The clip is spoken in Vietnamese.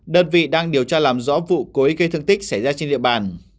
đơn vị đang điều tra làm rõ vụ cố ý gây thương tích xảy ra trên địa bàn